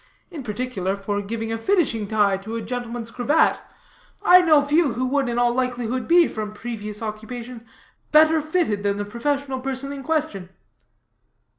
In particular, for giving a finishing tie to a gentleman's cravat, I know few who would, in all likelihood, be, from previous occupation, better fitted than the professional person in question."